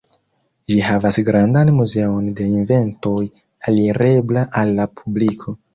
Ĝi havas grandan muzeon de inventoj alirebla al la publiko.